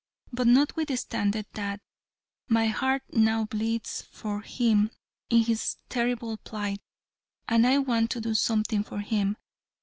But notwithstanding that, my heart now bleeds for him in his terrible plight, and I want to do something for him.